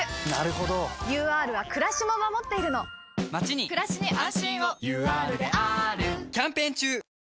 ＵＲはくらしも守っているのまちにくらしに安心をＵＲであーるキャンペーン中！